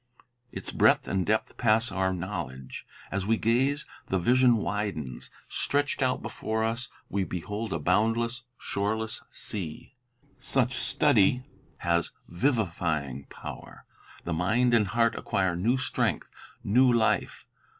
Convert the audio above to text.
Its breadth and depth pass our knowledge. As we gaze, the vision widens; stretched out before us we behold a boundless, shoreless sea. Such study has vivifying power. The mind and heart acquire new strength, new life.